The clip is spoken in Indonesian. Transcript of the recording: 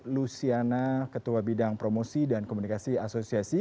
luciana ketua bidang promosi dan komunikasi asosiasi